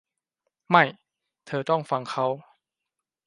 ไม่ เธอต้องฟังเขา